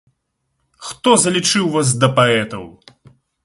Хто залічыў вас да паэтаў?